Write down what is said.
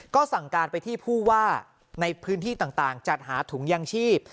ก็สั่งการไปที่ผู้ว่าในพื้นที่ต่างจัดหาถุงยางชีพ